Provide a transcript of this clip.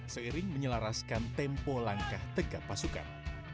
seiring menyelaraskan tempo langkah tegak pasukan